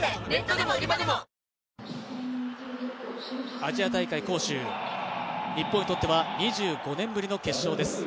アジア大会杭州、日本にとっては２５年ぶりの決勝です。